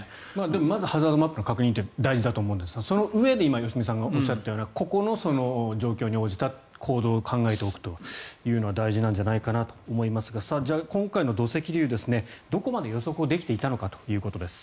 まずはハザードマップの確認は大事だと思うんですがそのうえで今、良純さんがおっしゃったような個々の状況に応じた行動を考えておくというのは大事なんじゃないかなと思いますが、今回の土石流どこまで予測できていたのかということです。